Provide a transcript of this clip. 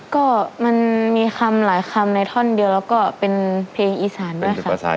ก็มันมีคำหลายคำในท่อนเดียวแล้วก็เป็นเพลงอีสานด้วยค่ะ